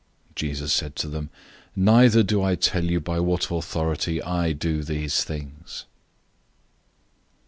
Jesus said to them, "Neither do I tell you by what authority I do these things."